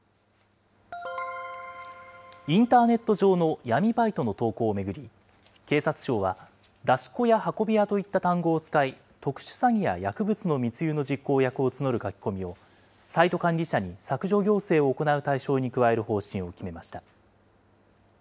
インターネット上の闇バイトの投稿を巡り、警察庁は出し子や運び屋といった単語を使い、特殊詐欺や薬物の密輸の実行役を募る書き込みを、サイト管理者に削除要請を行う対象に加える方針を決めました。